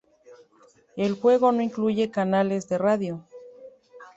El juego no incluye canales de radio.